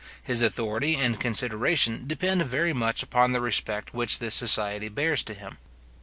His authority and consideration depend very much upon the respect which this society bears to him.